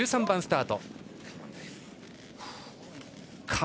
１３番スタート。